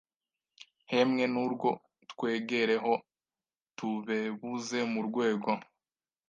hemwe n’urwo twegereho tubebuze mu rwego